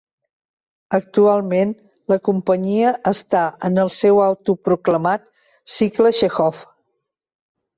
Actualment la companyia està en el seu autoproclamat "cicle Txékhov".